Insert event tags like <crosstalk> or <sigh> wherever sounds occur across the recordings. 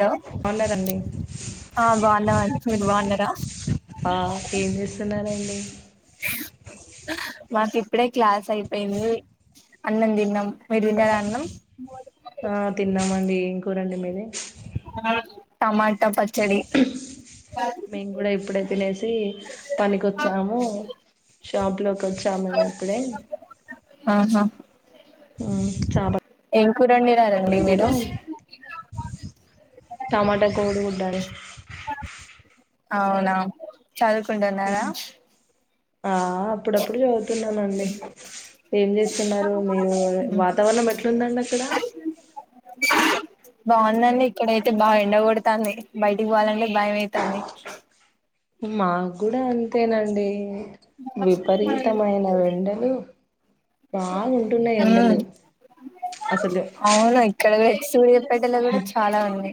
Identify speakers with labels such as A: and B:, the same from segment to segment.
A: Hello
B: బాగున్నారండి
A: బాగున్నాం అండి మీరు బాగున్నారా, <inaudible>
B: ఆ ఏం చేస్తున్నారు అండి
A: మాకు ఇప్పుడే క్లాస్ అయిపోయింది అన్నం తిన్నాం మీరు తిన్నారా అన్నం
B: ఆ తిన్నామండి ఎ ఊరండి మేది
A: టమాటా పచ్చ
B: మేము కూడా ఇప్పుడే తినేసి పనికొచ్చాము జాబ్ కొచ్చామ ఇప్పుడే
A: ఆహా
B: ఉ చాప
A: ఏం కూర వండినారండి
B: కూర
A: మీరు
B: టమాటా కోడి గుడ్డన్
A: అవునా చదువుకుంటున్నారా
B: ఆ అప్పుడప్పుడు జదువుతున్నానండి ఏం చేస్తున్నారు మీరు వాతావరణం ఎట్లుందండి అక్కడ
A: బాగుందండి ఇక్కడ అయితే బాగ ఎండగొడుతుంది బయటికి పోవాలంటే భయం అవుతుంది
B: మాకు గూడా అంతేనండి విపరీతమైన వెండలు బాగుంటున్నాయి
A: ఉమ్
B: ఎండలు అసలు
A: స పెడలు కూడా చాలా ఉన్నాయి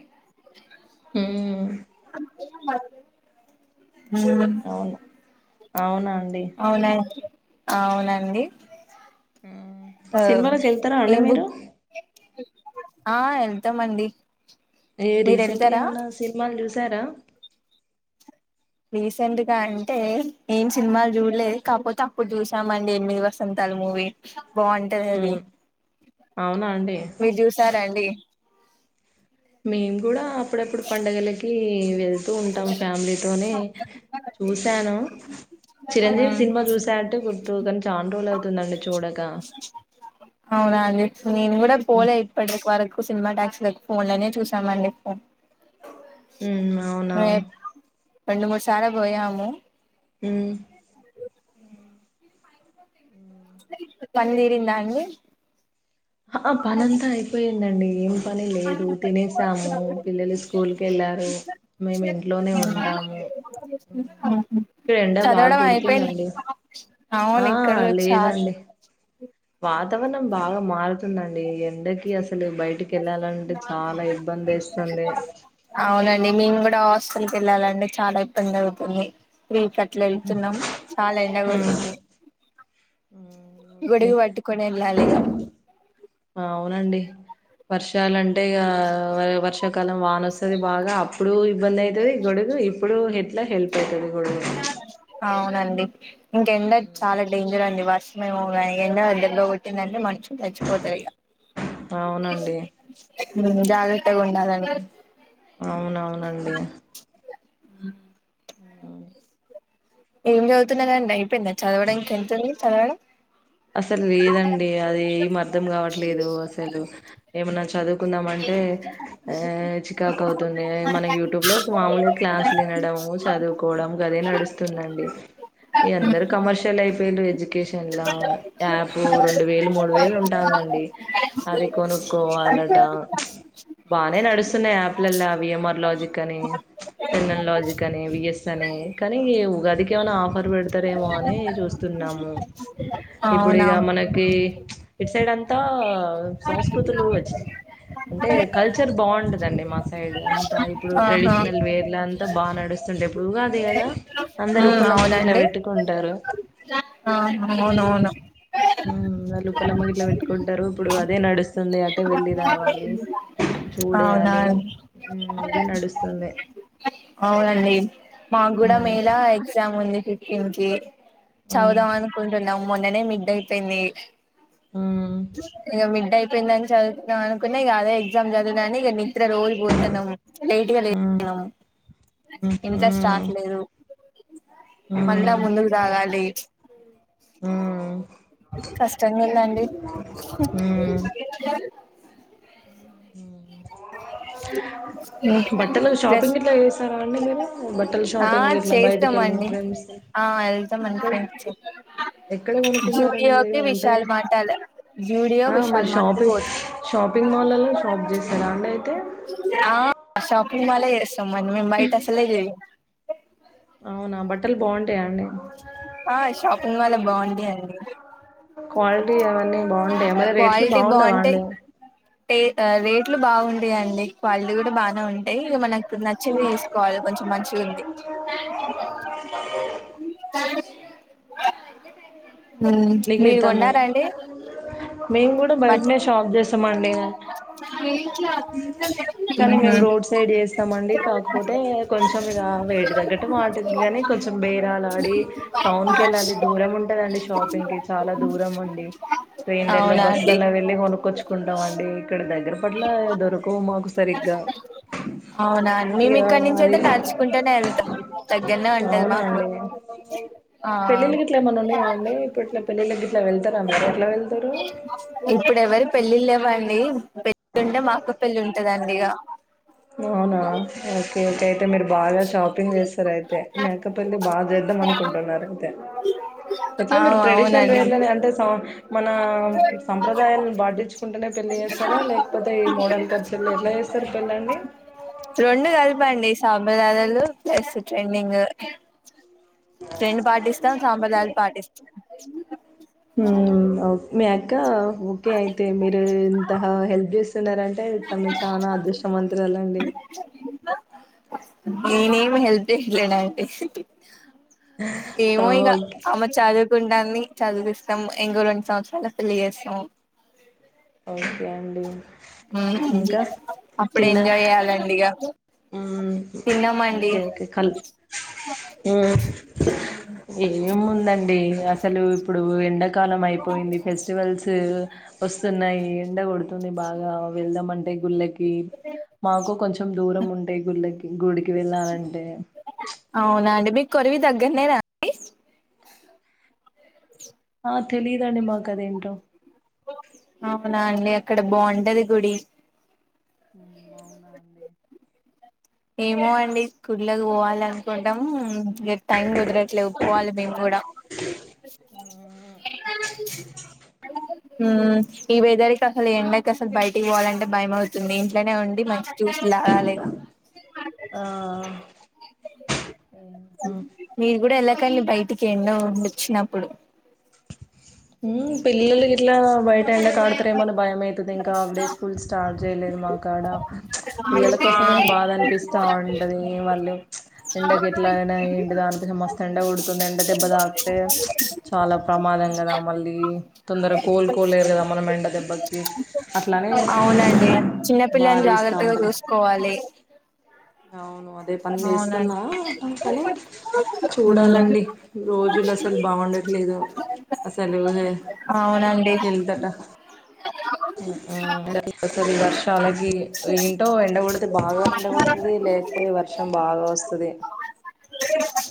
B: ఉ
A: మ అ
B: అవును అవునా అండి
A: అవునా అవునండి
B: ఆ
A: ఆ
B: సినిమాలోకి యెళ్తారా అండి
A: ఏం
B: మీరు
A: బుక్ ఆ యెళ్తామండి
B: ఏ రీసెంట్ గా ఏమైనా సినిమాలు జూసారా
A: రీసెంట్ గా అంటే ఏం సినిమాలు జూడలేదు కాకపోతే అప్పుడు చూసామండి ఎనిమిది వసంతాలు మూవీ బాగుంటుందది
B: హ్మ్. అవునా అండి.
A: మీరు జూసారంండి
B: మేము గూడా అప్పుడప్పుడు పండుగలకి ఏ ఉంటాం ఫ్యామిలీతోనే చూసాను చింజీవి సినిమా చూశా అంటి చాండ రోలు అవుతుందండి చూడక
A: అవునా నేను కూడా
B: హ్మ్.
A: పోలే ఇప్పటికీ వరకు సినిమా ట్యాక్స్ లకి ఫోన్ లోనే చూసామండి ఫోన్
B: ఉ అవును అవును
A: రెండు మూడు సార్ పోయాము
B: హుమ్ ఉ
A: మందీరిందా అండి
B: ఆ పన్నియంతా అయిపోయిందండి. ఏం పని లేదు తినసాము పిల్లలు స్కూల్కి వెళ్ళారు. మేము ఇంట్లోనే ఉంటము. ఇక్కడ ఎండ బాగా
A: చదవడం అయిపోయింది
B: కొడుతుంది
A: అవును
B: ఆ
A: ఇక్కడ కూడా చాల
B: లేదండి. వాతవరణం బాగా మారు తుందండి ఎండకి అసలు బయటికి వెళ్ళాలంటే చాలా ఇబ్బంది ఏస్తుంది
A: ఇ హాస్టల్కి వెళ్ళాలండి చాలా ఇబ్బంది అవుతుంది త్రి కట్ల వెళ్తున్నాం చాలా ఎండ
B: ఉమ్,
A: పేడుతుంది.
B: ఓకే
A: వెళ్ళాలి ఇగ
B: అవునండి వర్ష చాల అంటే ఇగ వ వర్షం కాలం వా వస్తుంది బాగా అప్పుడు ఇబ్బంది అయి అది గొడుగు ఇప్పుడు ఎట్లా హెల్ప్ అవుతాది
A: <unintelligible> అవునండి ఇంకెండకి
B: ఉమ్.
A: చాలా డేంజర్ అండి వర్షమ ఏమో కానీ ఎండ దెబ్బ కొట్టిందంటే మనషులు చచ్చిపోతారు ఇగ
B: అవునండి
A: జాగ్రత్తగ ఉండాలి అండి
B: అవునవునండి ఆ
A: ఏం చదువుతున్నరండి అయిపోయింది చదవడం ఇంకా ఎంతుంది చదవడం
B: అసలు లేదండి అది ఏం అర్ధం కావట్లేదు. అసలు ఏమన్నా చదువుకుందాం అంటే ఆ చికాకు అవుతుంది మనం యూట్యూబ్ లో మామూలుగా క్లాసు వినడం చదువుకోవడం గదే నడుస్తు దండి ఏ అందరు కమర్షియల్ అయిపోయలు ఎడ్యుకేషన్ లా యాప్ రెండు వేలు మూడు వేలు ఉంటందిండి. అది కొనుక్కోవాలట బానే నడుస్తున్నాయి. యాప్లలో విఎంఆర్ లాజిక్ అని, చందన్ లాజిక్ అని, విఎస్ అని కానీ గదికి ఏమైనా ఆఫర్ పెడతారేమో అని చూస్తున్నాము. ఇప్పుడు
A: అవునా
B: ఇగ మనకి ఇటు సైడ్ అంతా సంస్కృతులు వచ్చి. అంటే కల్చర్ బాగుంటదండి మా సైడ్ అంతా ఇప్పుడు
A: ఆహా
B: ట్రెడిషనల్ వేర్ అంతా బాగా నడుస్తుంటే ఎప్పుడుగాద కదా అందరు
A: ఊ
B: ఉప్పలమ్మ గిట్లా
A: అవునండి.
B: పెట్టుకుంటారు
A: ఆ అవునువును.
B: ఉమ్ వాళ్ళు ఉప్పలమ్మగిట్ల పెట్టుకుంటరు ఇప్పుడు అదే నడుస్తుంది అటే వెళ్ళి రావాలీ.
A: అవునా
B: చూడెయాలీ
A: అండి
B: ఉమ్ ఇదే నడుస్తుంది.
A: మాగూడా
B: ఉమ్,
A: మేలా ఎగ్జామ్ ఉంది ఫిఫ్టీన్కీ.
B: ఉమ్,
A: చౌదామను కుంటున్నం. మొన్ననే మిడ్ అయిపేయిందీ.
B: ఉమ్,
A: ఇగ మిడ్ డై పోయిందని చదువుతున్నాం అనుకున్న ఇగ అదే ఎగ్జామ్ చదివినా అని ఇగ నిద్ర రోజూ పోతన్నం. లేటగా
B: ఉమ్,
A: లేస్తున్నం.
B: ఉమ్,
A: ఇంట్రెస్ట్
B: ఉమ్,
A: రాట్లేదు. మళ్ళా ముందుకు సాగాలీ. అ
B: ఆ
A: కష్టంగ ఉందండి.
B: ఉమ్. హ్మ బట్టలు
A: ప్లస్
B: షాపింగ్ గిట్ల చేస్తారా అండి మీరూ బట్టల్
A: ఆ
B: షాపింగ్ గిట్ల బయటికెళ్ళి
A: చేస్తామండి
B: ఫ్రెండ్స్ తో,
A: ఆ వెళ్తాం అండి
B: ఎక్కడ.
A: ఫ్రెండ్స్
B: ఎక్కడ కొనుకుంటారండి మీరు
A: జూడియోకి
B: అంటే,
A: విశాల్ మార్ట్ అలా జూడియో
B: ఆ మరి
A: విశాల్ మార్ట్ కి
B: షాపింగ్,
A: పోతాం
B: షాపింగ్ మాళ్ళల్లో.
A: ఆ అ షాప్ నేన్ మాల్ ల చేస్ తం. మరి మేం బయటా అసలే చేయం.
B: అవునా బట్టలు బాగుంటాయా అండి.
A: ఆ షాపింగ్ మాల్లో బాగుంటయి అండి.
B: క్వాలిటీ అవన్నీ బాగుంటయా మర రేట్లు బాగుండవా అండి అవి.
A: రే ఆ రేట్లు బాగుంటయండి. క్వాలిటీ కూడా బానే ఉంటయీ. ఇగ మనక్ ఇప్పుడు నచ్చింది తీసుకోవాలె కొంచెం మంచిగ్ ఉంది. తే ఉమ్ మీరు కొన్
B: నీకేతన్నడు
A: న్నారా అండి.
B: పుడు
A: బట్
B: బయటనే షాప్ చేస్తమండీ. కానీ
A: ఊహూ
B: మేమ్ రోడ్ సైడ్ చేస్తమండి, కాకపోతే కొంచెం ఇగా వేట్ కి తగ్గట్టు వాటిది కానీ, కొంచెం బేరాలాడీ, టౌన్ కెళ్ళాలి దూరం ఉంటదండి షాప్. పింగ్కి చాలా దూరం అండి. ట్రైన్లల్ల
A: అవునా
B: బస్
A: అండి
B: లల్ల వెళ్ళి కొనుక్కొచ్చుకుంటాం అండీ. ఇక్కడ దగ్గర పట్లా దొరుకవు మాకు సరిగ్గా.
A: అవునా అండి మేము
B: ఇగా
A: ఇక్కడ నుంచి
B: అది,
A: అయితే నడుచుకుంటూనే వెళ్తాం దగ్గరనే ఉంటది
B: అవునా
A: మాకు
B: అండి.
A: ఆ
B: పెళ్ళిళ్ళు గిట్ల ఏమన్నా ఉన్నాయా అండీ. ఇప్పట్ల పెళ్లిళ్ళకి గట్ల వెళ్తరా మీరూ ఎట్ల వెళ్తరూ.
A: ఇప్పుడు ఎవరి పెళ్ళిళ్లేవండ్ ఏమ్ పెళ్ళి అంటే మాకు పెళ్లి ఉంటాది అని హలో
B: అవునా ఓకే ఓకే అయితే మీరు బాగా షాపింగ్ చేస్తారు అయితే మేకప్ వెళ్ళి బాగా చేద్దాం అనుకుంటున్నారు అయితే ఎట్లా
A: ఆ
B: మీరు ట్రెడిషనల్ వే
A: అవునండి
B: లో అంటే మన సాంప్రదాయాలను పాటించుకుంటేనే పెళ్ళి చేస్తారా లేకపోతే ఈ మోడల్ కల్చర్లో ఎట్లా చేస్తారు పెళ్ళండి
A: రెండు కలుపురాండి చమిలలు <unintelligible> ప్లస్ ట్రెడింగ్ రెండు పాటిస్తాం సాంప్రదాయాలు పాటిస్తాం అ
B: హ్మ్ మ్యాకా ఓకే అయితే మీరు ఇంతగా హెల్ప్ చేస్ ఇస్తున్నారంటే ఇప్పుడు నువ్వు చాలా అదృష్టవంతురాలండి
A: నేనేమి హెల్ప్ చేయలేను అంటి
B: ఆ
A: ఏమో ఇక
B: ఓకే
A: అమ్మ చదువుకుంటాంది చదివిస్తాం ఇంకో రెండు సంవత్సరాల్లొ పెళ్లి చేస్తాం
B: ఒకే అండి ఇంకా
A: అప్పుడు
B: తిన్న
A: ఎంజాయ్ చేయ్యాలండి ఇక
B: ఓకే ఓకే కల్ ఏం ముందండి అసలు ఇప్పుడు ఎండ కాలం అయిపోయింది ఫెస్టివల్స్ వస్తున్నాయి ఎండ పడు నిన్నా బాగా వెళ్దామని ఏ గూళ్ళకి మాకు కొంచెం దూరం ఉంటయి గుళ్ళకి గుడి కి వెళ్ళాలంటే
A: మీకి కొరివి దగ్గరనే అండి
B: ఆ తెలీదండి మాకు మాకు అదిఎంటో
A: అవున అండి అక్కడ బాగుంటది గుడి
B: అవునా అండి
A: ఏమో అండి స్కూల్లోకి పోవాల అనుకుంటాము మీరు టైం కుదరట్లే పోవాలి మేము కూడా మ్మ్ ఈ వెదరికి అసల్ ఎండకి అసలు బయటికి వోవాలంటే భయం అవుతుంది ఇంట్లోనే ఉండి మంచి జూస్ లాగలిగా
B: ఆ
A: నేం గూడా యెల్ల కానీ బయటికి ఎండ ఉండొచ్చినప్పుడు
B: మ్మ్ పిల్లలు ఇట్లా బయట ఎండ కా ఆడుతారేమోని భయమైతుంది. ఇంకా ఆఫ్ డే స్కూల్ స్టార్ట్ చేయలేదు మా కాడ ప్చ్ పిల్లల కోసమే బాధ అనిపిస్తాంటది. మళ్ళీ ప్చ్ ఎండకి ఎట్లాయినా ఏంటిద అనిపి మస్తు ఎండకొడుతుంది ఎండ దెబ్బ తాకితే ప్చ్ చాలా, ప్రమాదం గదాం మళ్ళీ తొందరగా కోలుకోలేరు కదా మనం ఎండ దెబ్బకి అట్లానే
A: అవునండి చిన్నపిల్లని
B: బాగేస్తా
A: జాగ్రత్తగా
B: ఉంటరు.
A: చూసుకోవాలి
B: అవును అదే పని
A: అవునండి
B: చేస్తున్నా కాని చూడాలండి
A: మ్మ్
B: రోజులు అసలు బాగుండట్లేదు. అస్సలూదే
A: అవునండి
B: ఎల్ దట మ్మ్ ఎడ తెరపి వర్షాలగి ఏంటో ఎండగొడితే బాగా ఎండకొడుతుంది లేకపోతే వర్షం బాగా వస్తది.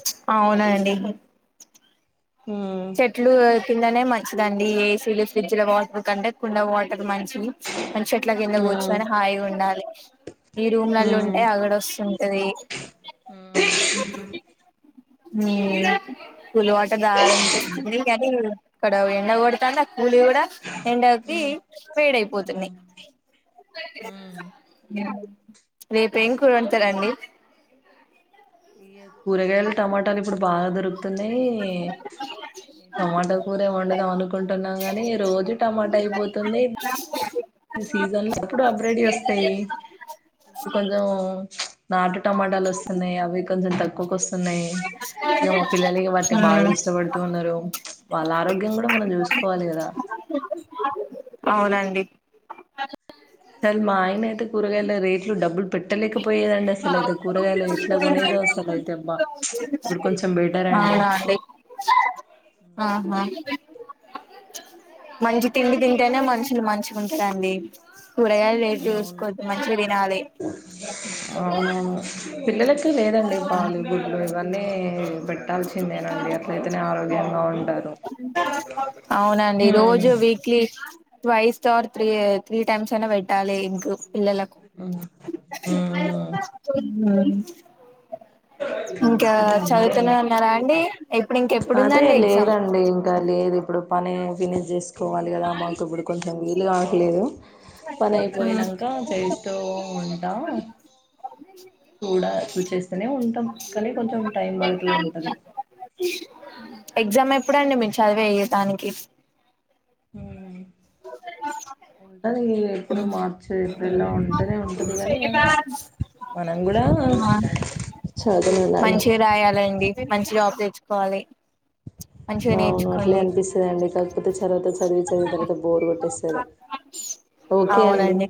A: ప్చ్ అవునండి
B: మ్మ్
A: చెట్లు కిందనే మయ్ చిదండి ఏసీలు ఫ్రిడ్జ్ లో వాటర్ కంటే కుండ వాటర్ మంచిది మంచెట్ల కింద కూచ్చోని హాయిగా ఉండాలి ఈ రూమ్లలో ఉంటే
B: మ్మ్
A: ఆగడి వస్సుంటది. హ్మ్ కూల్వాటర్ దాగాలనిపిస్ అదే కాని ఇక్కడ ఎండ కొడుతాందే ఆ కూల్ వి కూడా ఎండకి
B: మ్మ్
A: వేడయిపోతున్నయ్.
B: మ్మ్
A: రేపేం కూరుం వండుతారండి
B: ఇ యే కూరగాయలు టమాటాలు ఇప్పుడు బాగా దొరుకు తున్నయ్ టమాటా కూర ఏమో వండుదం అనుకుంటున్నాం గాని రోజు టమాటా అయిపోతున్నయ్. సీజన్ లో అప్పుడు హబ్రిడ్ యి వస్తయ్ కొంజం నాటు టమాటాలు వస్సున్నయ్ అవి కొంచెం తగ్ క్కుకొస్తున్నాయి ఇగ మా పిల్లలు వాటిని బాగా
A: హ్మ్
B: ఇష్టపడుతువున్నారు ప్చ్ వాళ్ళ ఆరోగ్యం కూడా మనం చూసుకోవాలి కదా.
A: అవునండి
B: సార్ మా ఆయన అయితే కూరగాయల రేట్లు డబ్బుల్ పెట్టలేకపోయేదండి అస్సలు అయితే కూరగాయలు ఎట్లా కొనేదో అస్సలు అయితే అబ్బ ప్చ్ ఇప్పుడు కొంచెం బెటర్ అండి.
A: ఆహా మంచి తిండి తింటేనే మనుషులు మంచిగుంట రండి కూరగాయల్ రేటు చూసుకోవద్ద్ మంచిగ తినాలి
B: అవును అవును పిల్లల లేదండి పాలు గుడ్లు ఇవన్నీ పెట్టాల్సిందేనండి అట్లయితేనే ఆరోగ్యంగా ఉంటారు
A: టై స్టాస్ర్ త్రీ త్రీ టైమ్స్ అయినా పెట్టాలి ఇంక పిల్లలకు ఆ
B: అంతే
A: చదువుతూనే ఉన్నారా అండి ఎగ్
B: అదే లేదండి ఇంకా లేదు ఇప్పుడు పని విని జేసి పోవాలి కదా మాకు ఇప్పుడు కొం త్త వీలుగా లేదా పని అయిపోయినాక చేస్తూ చూడ చూచేస్తేనే ఉంటాం కానీ కొంచెం టైం పడుతూ ఉంటది
A: ఎగ్జామ్ ఎప్పుడండి మీరు చదివేయ దానికి
B: ఉంటది ఎప్పుడు మార్చే ఇల్లో ఉంటనే ఉ కూడా చదవనాలి
A: మంచి రాయాలండి మంచి జాబ్ తెచ్చుకో కోవాలి
B: అవును అట్లే అనిపిస్తది అండి కాకపోతే చవాత చదివి తర్వాత బోర్ కొట్టేస్తనే ఓకే అండి
A: అవునండి